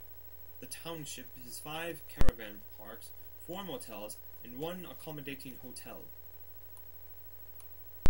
The township has five caravan parks, four motels and one accommodating hotel.